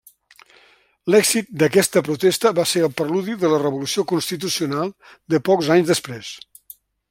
L’èxit d’aquesta protesta va ser el preludi de la Revolució constitucional de pocs anys després.